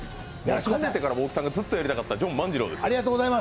かねてから大木さんがずっとやりたかったジョン万次郎ですよ。